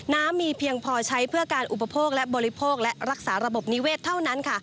น้ำมีเพียงพอใช้เพื่อการอุปโภคและบริโภคและรักษาระบบนิเวศเท่านั้นค่ะ